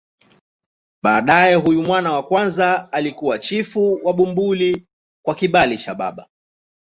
Baadaye huyu mwana wa kwanza alikuwa chifu wa Bumbuli kwa kibali cha baba.